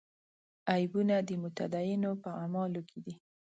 عیبونه د متدینو په اعمالو کې دي.